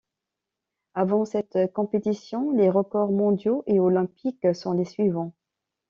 Avant cette compétition, les records mondiaux et olympiques sont les suivants.